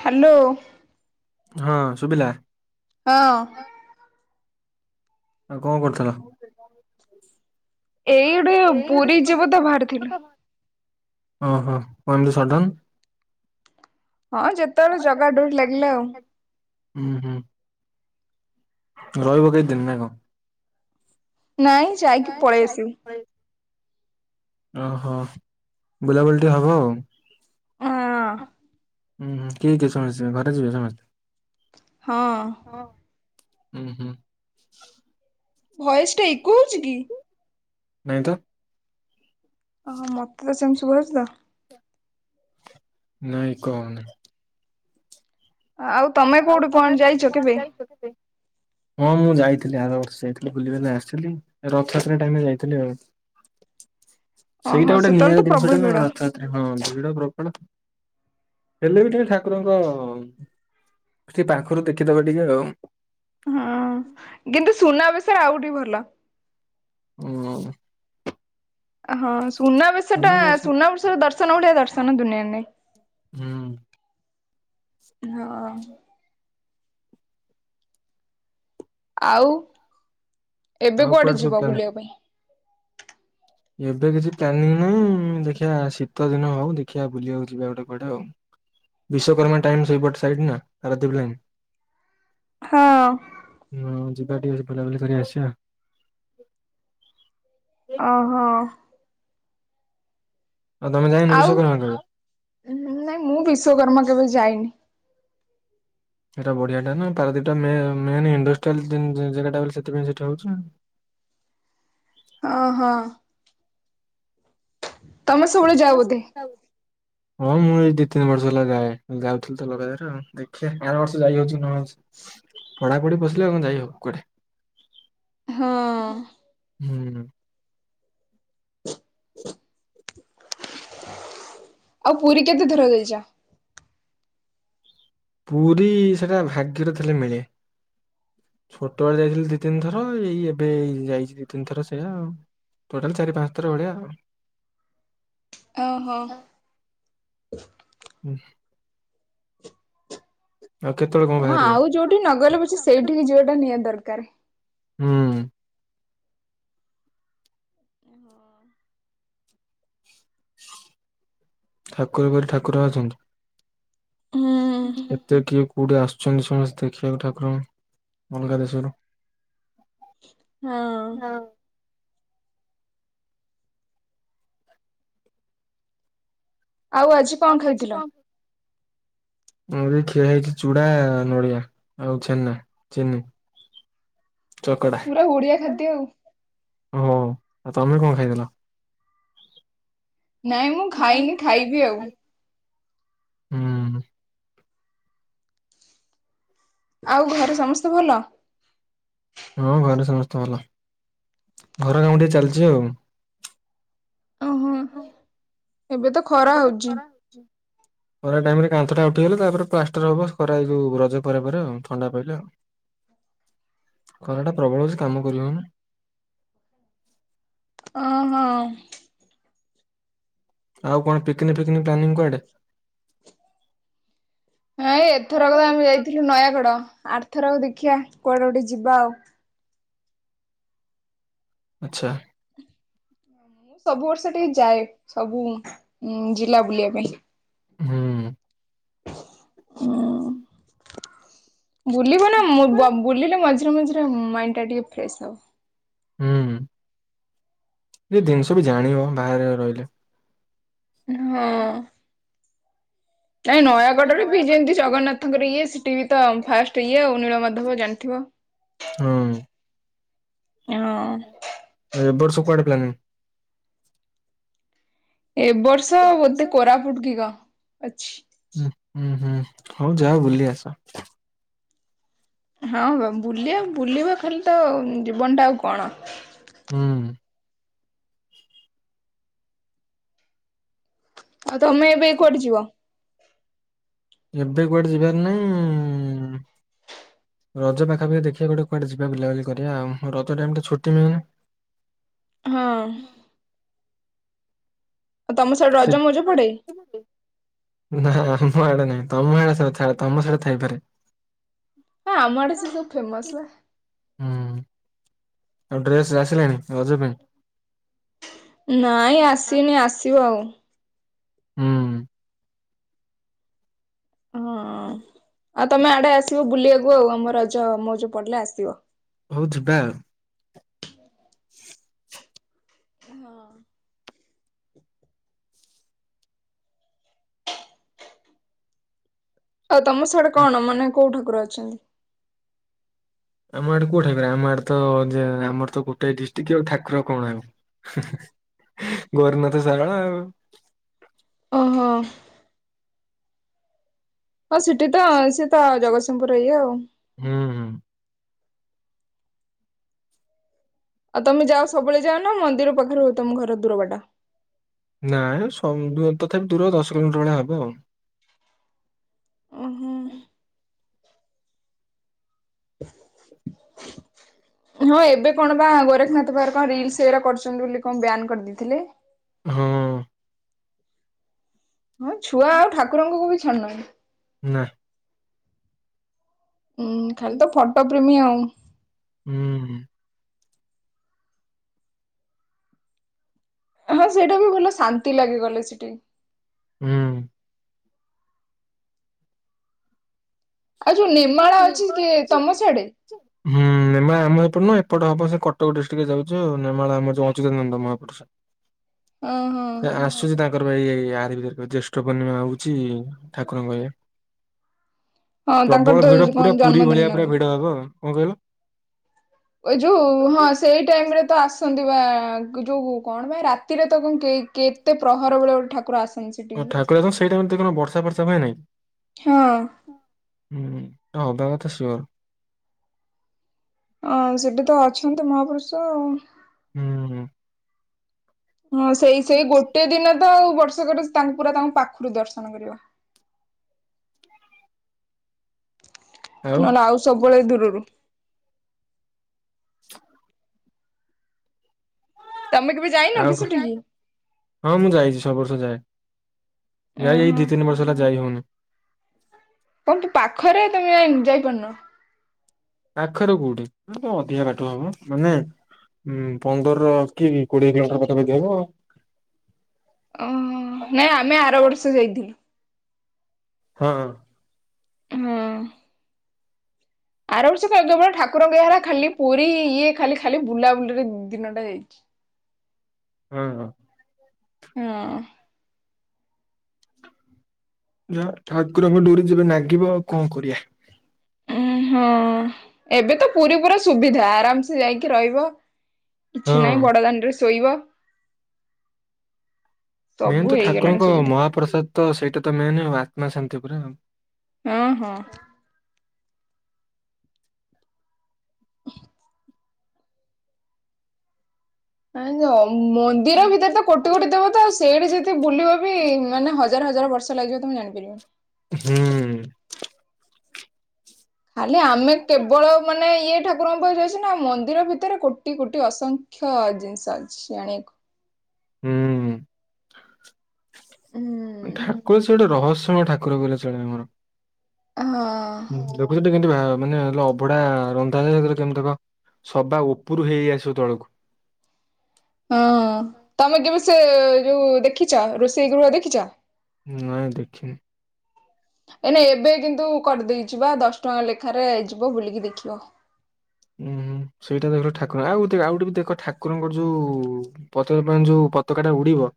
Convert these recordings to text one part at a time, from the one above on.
Hello. ହଁ ଶୁଭିଲା। ହଁ। ଆଉ କଣ କରୁଥିଲ? ଏଇ ଗୋଟେ ପୁରୀ ଯିବ ତ ବାହାରିଥିଲୁ। ଓହୋ କଡିସଡନ୍। ହଁ ଯେତେବେଳେ ଜାଗା ଡୋରି ଲାଗିଲା ଆଉ। ହୁଁ ହୁଁ। ରହିବ କେତେ ଦିନ ନାଇଁ କଣ? ନାଇଁ ଯାଇକି ପଳେଇ ଆସିବୁ। ଓହୋ ବୁଲାବୁଲି ଟିକେ ହେବ ଆଉ। ହଁ। [unintelligible] ହୁଁ ହୁଁ କିଏ କି ସମସ୍ତ ଘରେ ଯିବେ ସମସ୍ତେ। ହଁ। ହଁ ହୁଁ ହୁଁ। ଭୟସ୍ ଟା ଇକୋ ହେଉଛି କି? ନାଇଁ ତ। ଓହୋ ମତେ ତ ସେମିତି ଶୁଭା ଯାଉଛି ତ। ନାଇଁ କହ ନାଇଁ। ହ ଆଉ। ତମେ ଆଉ କୋଉଠି କଣ ତମେ ବି ଯାଇଛ କଣ କେବେ? ଯାଇଛ କେତେ? ହଁ ମୁଁ ଯାଇଥିଲି ଆର ବର୍ଷ ଯାଇଥିଲି ବୁଲିବା ଆସିଥିଲି ରଥଯାତ୍ରା ଟାଇମ ଯାଇଥିଲି ଆଉ। ଓହୋ ସେଇଟା ଗୋଟେ ସେତେବେଳେ ନିଆ ତ ପ୍ରବଳ ଜିନିଷଟା ନ ଭିଡ। ଅର୍ଥାତ୍। ହଁ ଭିଡ ପ୍ରବଳ ହେଲେ ବି ଟିକେ ଠାକୁରଙ୍କ ସେ ପାଖରୁ ଦେଖିଦବା ଟିକେ ଆଉ। ହଁ କିନ୍ତୁ ସୁନା ବିଷୟରେ ଆଉଠି ଭଲ। ହୁଁ। ହଁ ସୁନା ବିଷୟଟା ସୁନା ବେଶ ଟା ଦର୍ଶନ ଭଳିଆ ଦର୍ଶନ ଦୁନିଆରେ ନାହିଁ। ହୁଁ। ହଁ। ଆଉ ଏବେ ଆଉ କୁଆଡେ ସବୁ ଯିବ ପ୍ଲାନ ବୁଲିଆ ପାଇଁ? ଏବେ କିଛି ପ୍ଲାନିଂ ନାହିଁ। ଦେଖିଆ ଶୀତ ଦିନ ହଉ ଦେଖିଆ ବୁଲିବାକୁ ଯିବା ଗୋଟେ କୁଆଡେ ଆଉ। ବିଶ୍ୱକର୍ମା ଟାଇମ୍ ସେଇପଟ ସାଇଡ୍ ନା ପାରାଦ୍ଵୀପ ଲାଇନ୍। ହଁ ହଁ ଯିବା ଟିକେ ବୁଲାବୁଲି କରି ଆସିବା। ଓହୋ। ଆଉ ତମେ ଯାଇନ ଆଉ ବିଶ୍ୱକର୍ମା କୁ? ନାଇଁ ମୁଁ ବିଶ୍ଵକର୍ମା କେବେ ଯାଇନି। ସେଟା ବଢିଆ ଟା ନା। ପାରାଦ୍ଵୀପ ଟା ମେ ମେନ୍ ଇଣ୍ଡଷ୍ଟ୍ରିଆଲ ଜା ଜାଗା ଟା ବୋଲି ସେଥିପାଇଁ ସେଠି ହଉଛି। ଓ ହଁ। ତମେ ସବୁବେଳେ ଯାଅ ତମେ ବୋଧେ ସବୁ [unintelligible] ହଁ ମୁଁ ଏଇ ଦି ତିନି ବର୍ଷ ହେଲା ଯାଏ। ଯାଉଥିଲି ତ ଲଗାତାର ଆଉ। ଦେଖିଆ ଏ ବର୍ଷ ଯାଇ ହଉଛି କି ନ ହଉଛି। ପଢାପଢି ପସିଲେ କଣ ଯାଇ ହବ କୁଆଡେ। ହଁ। ହୁଁ। ଆଉ ପୁରୀ କେତେ ଥର ଯାଇଛ? ପୁରୀ ସେଟା ଭାଗ୍ୟରେ ଥିଲେ ମିଳେ। ଛୋଟବେଳେ ଯାଇଥିଲି ଦି ତିନି ଥର। ଏଇ ଏବେ ଏଇ ଯାଇଛି ଦି ତିନି ଥର ସେଇୟା ଆଉ। ଟୋଟାଲ୍ ଚାରି ପାଞ୍ଚଥର ଭଳିଆ ଆଉ। ଓହୋ। ହୁଁ। ହଁ ଆଉ କେତେଳେ କଣ ହଁ ବାହାରିବ ଆଉ ଯୋଉଠି ନଗଲେ ପଛେ ସେଇଠିକି ଯିବାଟା ନିହାତି ଦରକାର। ହୁଁ। ହଁ ଠାକୁର [unintelligible] ଠାକୁର ଅଛନ୍ତି। ହୁଁ ଏତେ କିଏ କୋଉଠି ଆସୁଛନ୍ତି ସମସ୍ତେ ଦେଖିବାକୁ ଠାକୁରଙ୍କୁ। ଅଲଗା ଦେଶରୁ। ହଁ। ଆଉ ଆଜି କଣ ଆଉ ଆଜି ଖାଇଥିଲ କଣ ଆଜି ଖିଆ ହେଇଛି ଚୁଡା, ନଡ଼ିଆ ଆଉ ଛେନା, ଚିନି। ଚକଡା। ପୁରା ଓଡିଆ ଖାଦ୍ୟ ଆଉ ହଁ ଆଉ ତମେ କଣ ଖାଇଥିଲ? ନାଇଁ ମୁଁ ଖାଇନି ଖାଇବି ଆଉ। ହୁଁ। ଆଉ ଘରେ ସମସ୍ତେ ଭଲ? ହଁ ଘରେ ସମସ୍ତେ ଭଲ। ଘର କାମ ଟିକେ ଚାଲିଛି ଆଉ। ହୁଁ ଏବେ ତ ଖରା ହଉଛି। [inaudible] ଖରା ଟାଇମ୍ ରେ କାନ୍ଥଟା ଉଠିଗଲେ ତାପରେ ପ୍ଲାଷ୍ଟର ହବ ଖରା ଯଉ ରଜ ପରେ ପରେ ଆଉ ଥଣ୍ଡା ପାଇଲେ ଆଉ। ଖରା ଟା ପ୍ରବଳ ହଉଚି କାମ କରିହଉନି। ଓ ହଁ। ଆଉ କଣ picnic picnic planning କୁଆଡେ? ଏଇଁ ଏଥରକ ତ ଆମେ ଯାଇଥିଲୁ ନୟାଗଡ। ଆର୍ ଥରକ ଦେଖିବା କୁଆଡେ ଗୋଟେ ଯିବା ଆଉ। ଆଚ୍ଛା। ସବୁ ବର୍ଷ ଟିକେ ଯାଏ ସବୁ ଉଁ ଜିଲ୍ଲା ବୁଲିଆ ପାଇଁ। ହୁଁ ଉଁ ହୁଁ। ବୁଲିବ ନା ମ ବ ବୁଲିଲେ ମଝିରେ ମଝିରେ ମାଇଣ୍ଡ୍ ଟା ଟିକେ ଫ୍ରେଶ୍ ହବ। ହୁଁ ହୁଁ। ଏ ଜିନିଷ ବି ଜାଣିବ ବାହାରେ ରହିଲେ। ହଁ। ନାଇ ନୟାଗଡ଼ରେ ବି ଯେମତି ଜଗନ୍ନାଥଙ୍କର ଇଏ ସେଠି ବି ତ ଫାଷ୍ଟ୍ ଇଏ ଆଉ ନୀଳମାଧବ ଜାଣିଥିବ? ହଁ। ହଁ ଏ ବର୍ଷ କୁଆଡେ ପ୍ଲାନିଙ୍ଗ୍? ଏ ବର୍ଷ ବୋଧେ କୋରାପୁଟ୍ କି ଗ ଅଛି। ହଉ ଯାଅ ବୁଲି ଆସ। ହଁ ବା ବୁଲିଆ ବୁଲିବ ଖାଲି ତ ଜୀବନଟା ଆଉ କଣ। ହୁଁ। ଆଉ ତମେ ଏବେ କୁଆଡେ ଯିବ? ଏବେ କୁଆଡେ ଯିବାର ନାହିଁ ଉଁ ରଜ ପାଖାପଖି ଦେଖିଆ ଗୋଟେ କୁଆଡେ ଯିବା ବୁଲା ବୁଲି କରିଆ ଉ ରଜ ଟାଇମ୍ ଟା ଛୁଟି ମିଳେ ହଁ। ଆଉ ତମ ସାଡେ ସେ ରଜ ମଉଜ ପଡେ? ନା ପଡେନି ତମ ଆଡେ [inaudible] ତମ ସାଡେ ଥାଇପାରେ। ହଁ ଆମ ଆଡେ ସେ ସବୁ ଫେମସ୍ ବା। ହୁଁ ଆଉ ଡ୍ରେସ୍ ଆସିଲାଣି ରଜ ପାଇଁ? ନାଇଁ ଆସିନି ଆସିବଉ। ହୁଁ ହଁ ହ ଆଉ [inaudible] ତମେ ଆଡ଼େ ଆସିବ ବୁଲିବାକୁ ଆଉ ଆମ ରଜ ମଉଜ ପଡ଼ିଲେ ଆସିବ। ହଉ ଯିବାଉ। ହ [unintelligible] ହଁ। ଆଉ ତମ ସାଡେ କଣ ମାନେ କୋଉ ଠାକୁର ଅଛନ୍ତି? ଆମ ଆଡେ କୋଉ ଠାକୁର ଆମ ଆଡେ ତ ଯେ ଆମର ତ ଗୋଟେ ଡିଷ୍ଟ୍ରିକ୍ଟ ଉ ଠାକୁର କଣ ଆମ ଗୋରେନାଥ ସାରଳା ଉ ଓହୋ ହଁ ସିଠି ତ ସିଏ ତ ଜଗତସିଂହପୁର ର ଇଏ ଆଉ। ହୁଁ ହୁଁ ଆଉ ତମେ ଯାଅ ସବୁବେଳେ ଯାଅ ନା ମନ୍ଦିର ପାଖରୁ ତମ ଘର ଦୂର ବାଟ? ନାଇଁ ସମ୍ ବୁ ତଥାପି ଦୂର ଦଶ କିଲୋମିଟର ଭଳିଆ ହବଉ। ଓହୋ ହ [unintelligible] ହଁ ଏବେ କଣ ବା ଗୋରେଖ୍ ନାଥ ପାଖରେ କଣ ରିଲ୍ ସି ଏଗରା କରୁଛନ୍ତି ବୋଲି କଣ ବ୍ୟାନ୍ କରିଦେଇଥିଲେ। ହଁ। ହଁ ଛୁଆ ଆଉ ଠାକୁରଙ୍କ ଙ୍କୁ ବି ଛାଡୁନାନ୍ତି। ନା। ଉୁଁ ଖାଲି ତ ଫଟ ପ୍ରେମି ଆଁଉ। ଉଁ ହୁଁ। ହଁ ସେଇଟା ବି ଭଲ ଶାନ୍ତି ଲାଗେ ଗଲେ ସେଠେଇ। ଉଁ। ଆଉ ଯୋଉ ନେମାଳ ଅଛି କି ତମ ସାଡେ? ହୁଁ। ନେମା ଆମ ଏପଟ ନୁହଁ ଏପଟ ହବ ସେ କଟକ ଡିଷ୍ଟ୍ରିକ୍ଟରେ ଯାଉଛି ଆଉ ନେମାଳ ଆମର ଯୋଉ ଅଚ୍ୟୁତାନନ୍ଦ ମହାପୁୁରଷ। ଓହୋ। ଏ ଆସ୍। ଆସୁଛି ତାଙ୍କର ଭାଇ ଏଇ ଆରି ଭିତେରା ପାଜ୍ୟେଷ୍ଠ ପୂର୍ଣିମା ହଉଛି ଠାକୁରଙ୍କ ଏଇ ହଁ ତାଙ୍କର ପ୍ରବଳ ତ ଭିଡ କଣ ପୁରା ପୁରୀ ଜନ୍ମଦିନ ଭଳିଆ ନା ପୁରା କଣ? ଭିଡ ହବ। କଁ କଇଲ? ଅଇ ଯୋଉ ହଁ ଆସ୍ ସେଇ ଟାଇମରେ ତ ଆସନ୍ତି ବା କ ଯୋଉ କଣ ବା ରାତିରେ ତ କଁ କେ କେ ତେ ପ୍ରହର ବେଳେ ଗୋଟେ ଠାକୁର ଆସେ ଓ ଠାକୁର ଆସନ୍ତି ସେଇଟା କେମତି କଣ ବର୍ଷା ଫର୍ଷା ପାଇଁ ନାଇଁ। ହଁ ହୁଁ ଯୋଉଟା ହବା କଥା ସିଓର। ଅଁ ସେଟି ତ ଅଛନ୍ତି ମହାପୁରୁଷ ଆଉଁ। ହୁଁ ହୁଁ। ହଁ ସେଇ ସେଇ ଗୋଟେ ଦିନ ତ ଆଉ ବର୍ଷକଟୁ ତାଙ୍କୁ ପୁରା ତାଙ୍କ ପାଖୁରୁ ଦର୍ଶନ କରିବ। ନହେଲେ ଆଉ ସବୁବେଳେ ଦୂରୁରୁ। [unintelligible] ତମେ କେବେ ଯାଇନ କି ଆଉ, ସେଠିକି? ହଁ ମୁଁ ଯାଇଚି ସବୁ ବର୍ଷ ଯାଏ। ଯାଇ ଏଇ ଓହୋ ଦି ତିନି ବର୍ଷ ହେଲା ଯାଇ ହୋଉନି। କଁ ତୁ ପାଖରେ ତମେ ଯାଇପାରୁନ। ପାଖରେ କୋଉଠି ଅଁ ଅଧିକା ବାଟ ହବ। ମାନେ ହୁଁ ପନ୍ଦର କି କୋଡିଏ କିଲୋମିଟର ପାଖାପଖି ହବ ଆଉ। ଅଁ ହଁ, ନାଇଁ ଆମେ ଆର ବର୍ଷ ଯାଇଥିଲୁ। ହଁ ହଁ। ହଁଅଁ। ଆର ବର୍ଷ କଁ ଏବେ ବଳିଆ ଠାକୁରଙ୍କ ଏହାରା ଖାଲି ପୁରୀ ଇଏ ଖାଲି ଖାଲି ବୁଲାବୁଲିରେ ଦିନଟା ଯାଇଛି। ହଁ ହଁ। ହୁଁଉଁ। ଯା ଠାକୁରଙ୍କ ଡୋରି ଯେବେ ନାଗିବ ଆଉ କଁ କରିଆ। ଉଁ ହଁଅଁ, ଏବେ ତ ପୁରୀ ପୁରା ସୁବିଧା ଆରାମ୍ ସେ ଯାଇକି ରହିବ। କିଛି ହଁ ନାଇଁ ବଡ ଦାଣ୍ଡେରେ ଶୋଇବ। ମେନ୍ ସବୁ ତ ହେଇଗଲାଣି ଠାକୁରଙ୍କ ସୁବିଧା ମହାପ୍ରସାଦ ତ ସେଇଟା ତ ମେନ୍ ଆଉ ଆତ୍ମା ଶାନ୍ତି ପୁରା ଆଉ। ଅଁ ହଁ। ଏଇଁ ଜୋଁ ମନ୍ଦିର ଭିତେରେ ତ କୋଟି କୋଟି ଦେବତା ଆଉ ସ୍ ସେଇଠି ଯେତେ ବୁଲିବ ବି ମାନେ ହଜାର୍ ହଜାର୍ ବର୍ଷ ଲାଗିବ ତମେ ଜାଣିପାରିବନି। ହୁଁଉଁ। ଖାଲି ଆମେ କେବଳ ମାନେ ଇଏ ଠା କୁରଙ୍କ ପାଖୁ ଯାଉସେ ନା ମନ୍ଦିର ଭିତେରେ କୋଟି କୋଟି ଅସଂଖ୍ୟ ଜିନିଷ ଅଛି ଜାଣିଆକୁ। ହୁଁ ହୁଁଉଁ। ହୁଁ ଠାକୁର ସେ ଗୋଟେ ରହସ୍ୟମୟ ଠାକୁର କହିଲେ ଚଳିବ ଆମର। ହଁ। ଯୋଉ ମୁଁ ସେଟି କିନ୍ତୁ ଭାବ୍ ମାନେ ଅଭଢା ରନ୍ଧାଯାଏ, ସେଥେରେ କେମତି କଁ ସବା ଓପୁରୁ ହେଇ ହେଇ ଆସିବ ତଳକୁ। ହଁଅଁ, ତମେ କେବେ ସେ ଯୋଉ ଦେଖିଛ ରୋଷେଇ ଗୃହ ଦେଖିଚ? ନାଇଁ ଦେଖିନି। ଏଇନେ ଏବେ କିନ୍ତୁ କରିଦେଇଚିବା ଦଶ ଟଙ୍କା ଲେଖାରେ ଯିବ ବୁଲିକି ଦେଖିବ। ଉୁଁ ହୁଁ ସେଇଟାତ ପୁରା ଠାକୁର, ଆଉ ଦେ ଆଉ ଗୋଟେ ବି ଦେଖ ଠାକୁରଙ୍କର ଯୋଉଉ ପତିତପାବନ ଯୋଉ ପତାକା ଟା ଉଡିବ।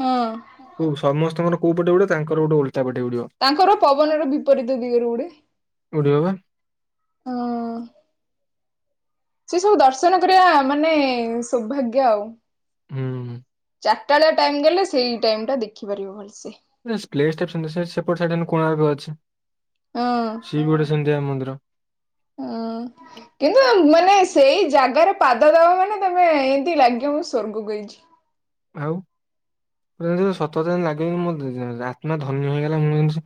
ହଁଅଁ। ହଉ ସମସ୍ତଙ୍କର କୋଉ ପଟେ ଉଡେ ତାଙ୍କର ଗୋଟେ ଓଲଟା ପଟେ ଉଡ଼ିବ। ତାଙ୍କର ପବନର ବିପରୀତ ଦିଗରୁ ଉଡେ। ଉଡ଼ିବ ବା। ଅହ ସେ ସବୁ ଦର୍ଶନ କରିବା। ମାନେ ସୋଭାଗ୍ୟ ଆଉ। ହୁଁ ହୁଁ। ଚାରଟା ଯା ଟାଇମ ଦେଲେ ସେଇ ଟାଇମ ଟା ଦେଖିପାରିବ ଭଲସେ। ଏ ପ୍ଲେସଟେ ସେମିତି ସେ ସେପଟ ସାଇଡରେ ଏଇନୁ କୋଣାର୍କ ଅଛି। ଅଁ। ସିଏବି ଗୋଟେ ସେମତିଆ ମନ୍ଦିର। ଅଅ। କିନ୍ତୁ ମାନେ ସେଇ ଜାଗାରେ ପାଦ ଦବ ମାନେ ତମେ ଏମତି ଲାଗିବ ସ୍ୱର୍ଗକୁ ଯାଇଛି। ଆଉ ପୁରା ଯେମିତି ସତସତରେ ଯିନ୍ତି ଲାଗିବ ଯିନ୍ତି ମୋ ଆତ୍ମା ଧନ୍ୟ ହେଇଗଲା ମୁଁ ଯେମିତି।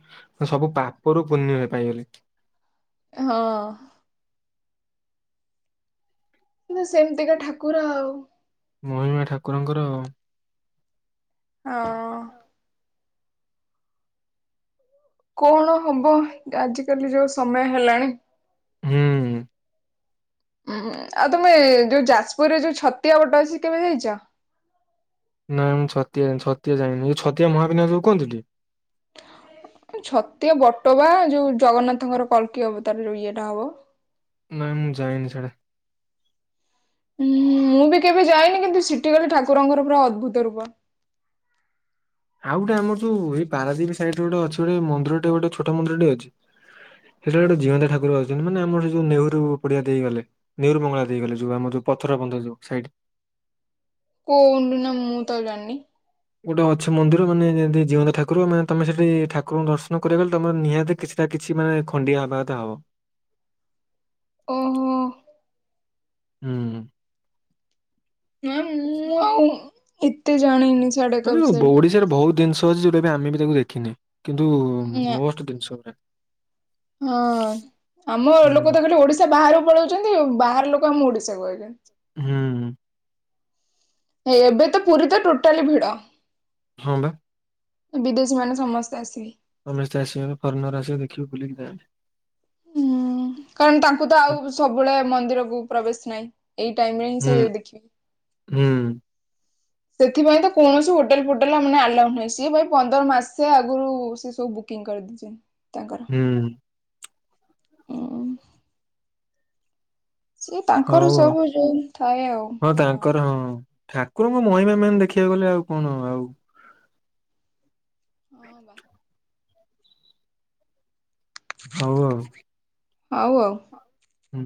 ସବୁ ପାପରୁ ପୂନ୍ୟ ଏ ପାଇଗଲି। ଏ ହଁ। କିନ୍ତୁ ସେମତିକା ଠାକୁର ଆଉ। ମହିମା ଠାକୁରଙ୍କର। ହ। କଣ ହବ ଆଜିକାଲି ଯୋଉ ସମୟ ହେଲାଣି। ହୁଁ ହୁଁ। ଉଁ ଆଉ ତୁମେ ଯୋଉ ଯାଜପୁରରେ ଯୋଉ ଛତିଆ ବଟ ଅଛି କେବେ ଯାଇଚ? ନାଇଁ ମୁଁ ଛତିଆ ଯାଇନି ଛତିଆ ଯାଇନି ମୁଁ ଛତିଆ ମହାବିନାୟକ ଯୋଉ କୁହନ୍ତିନି? ଛତିଆ ବଟ ବା ଯୋଉ ଜଗନ୍ନାଥଙ୍କର କଲ୍କିଅ ଅବତାର ଯୋଉ ଇଏଟା ହବ। ନାଇଁ ମୁଁ ଯାଇନି ସେଆଡେ଼। ଉଁ ମୁଁ ବି କେବେ ଯାଇନି କିନ୍ତୁ ସିଠି ଗଲେ ଠାକୁରଙ୍କର ପୁରା ଅଦ୍ଭୁତ ରୂପ। ଆଉ ଗୋଟେ ଆମର ଯୋଉ ଏଇ ପାରାଦୀପ ସାଇଟରେ ଗୋଟେ ଅଛି ଗୋଟେ ମନ୍ଦିରଟେ ଗୋଟେ ଛୋଟ ମନ୍ଦିରଟେ ଅଛି। ଏ ସେଇଟେ ଗୋଟେ ଜୀଅନ୍ତା ଠାକୁର ଅଛନ୍ତି ମାନେ ଆମର ସେ ଯୋଉ ନେହେରୁ ପଡିଆ ଦେଇଗଲେ। ନେହେରୁ ମଙ୍ଗଳା ଦେଇଗଲେ ଯୋଉ ଆମ ଯୋଉ ପଥର ବନ୍ଧ ଯୋଉ ସାଇଡ୍। କୋଉ ଦିନ ମୁଁ ତ ଜାଣିନି। ଗୋଟେ ଅଛି ମନ୍ଦିର ମାନେ ଯେନ୍ତି ଜୀଅନ୍ତା ଠାକୁର ମାନେ ତମେ ସେଠି ଠାକୁରଙ୍କୁ ଦର୍ଶନ କରିବାକୁା ଗଲେ ତମର ନିହାତି କିଛି। ନା କିଛି ମାନେ ଖଣ୍ଡିଆ ହବାକଥା ହବ। ଓହୋ ହୁଁଁ ହୁଁ। ନା ମୁଁ ଆଉ ଏତେ ଜାଣିନି। ସାଡେକା ମାନେ ବ ବିଷୟରେ ଓଡିଶାରେ ବହୁତ ଦିନଷ ଅଛି ଯଉଟାକି ଆମେ ବି ତାକୁ ଦେଖିନେ। କିନ୍ତୁ ନା ମୋଷ୍ଟ ଦିନଷଗୁରା। ହଁ ଆମ ଲୋକ ହୁଁ ତ ଖାଲି ଓଡିଶା ବାହାରକୁ ପଳଉଚନ୍ତି ବାହାର ଲୋକ ଆମ ଓଡିଶା କୁ ଆଉଚନ୍। ହୁଁ। ହେଇ ଏବେ ତ ପୁରୀ ତ ଟୋଟାଲି ଭିଡ। ହଁ ବା ବିଦେଶୀ ମାନେ ସମସ୍ତେ ଆସିବେ। ସମସ୍ତେ ଆସିବାରେ ଫରେନର ଆସିବେ ଦେଖିବେ ବୁଲିକି ଯାଆନ୍ତି। ହୁଁ କାରଣ ତାଙ୍କୁ ତ ଆଉ ସବୁବଳେ ମନ୍ଦିରକୁ ପ୍ରବେଶ ନାଇଁ। ଏଇ ଟାଇମ ରେ ହିଁ ହୁଁ ସେ ଦେଖିବେ। ହୁଁ। ସେଥିପାଇଁ ତ କୌଣସି ହୋଟେଲ ଫୋଟେଲା ମାନେ ଆଲାଉ ନାହିଁ ସିଏ ଭାଇ ପନ୍ଦର ମାସେ ଆଗୁରୁ। ସେ ସବୁ ବୁକିଂ କରିଦେଇଚନ୍ତି ତାଙ୍କର। ହୁଁ। ଉଁ ସେିଏ ପାଖରୁ ସବୁ ଯୋଉ ଥାଏ ଆଉ। ଠାର ହଁ ଠାକୁରଙ୍କ ମହିମା ମାନେ ଦେଖିବାକୁ ଗଲେ ଆଉ କଣ ଆଉ? ହଁ ବା। ହଉ ଆଉ। ଆଉ ଆଉ। ହୁଁ।